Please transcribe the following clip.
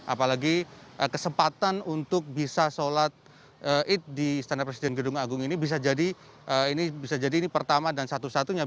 apalagi kesempatan untuk bisa sholat id di istana presiden gedung agung ini bisa jadi ini pertama dan satu satunya